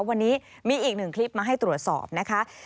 วันนี้มีอีกหนึ่งคลิปมาให้ตรวจสอบนะคะ